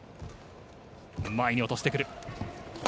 前に落としてくる。